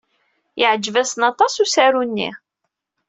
Yeɛjeb-asen aṭas usaru-nni.